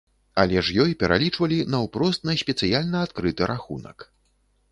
Але ж ёй пералічвалі наўпрост на спецыяльна адкрыты рахунак.